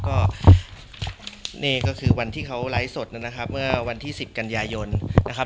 ก็นี่ก็คือวันที่เขาไลท์สดนะครับวันที่สิทธิ์กัญญาโยนนะครับ